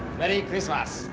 クリスマス。